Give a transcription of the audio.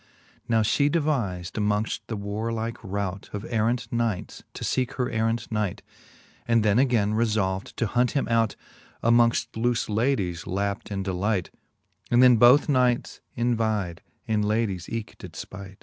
Now Ihe deviz'd amongft the warlike rout Of errant knights, to feeke her errant knight; And then againe refolv'd to hunt him out Amongil looie ladies, lapped in delight : And then both knights envide, and ladies eke did ipight.